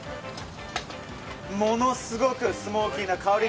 ものすごくスモーキーな香り。